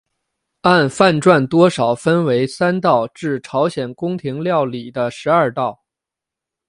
按饭馔多少分为三道至朝鲜宫廷料理的十二道。